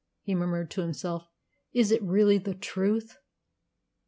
he murmured to himself. "Is it really the truth?"